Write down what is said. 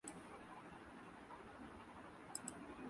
Ceuta اور Melilla